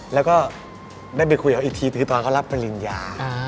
แล้วก็ได้ไปคุยกับเขาอีกทีคือตอนเขารับปริญญา